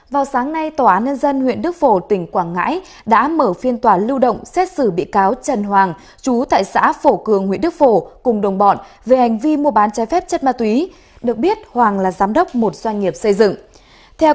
các bạn hãy đăng ký kênh để ủng hộ kênh của chúng mình nhé